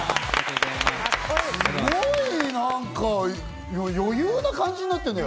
すごい何か余裕な感じになってるね。